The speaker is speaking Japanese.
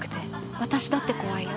私だって怖いよ。